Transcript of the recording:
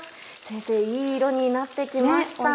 先生いい色になって来ました。